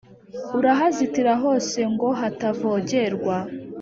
urahazitira hose ngo hatavogerwa